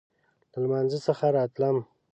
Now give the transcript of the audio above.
له لمانځه څخه راتلم.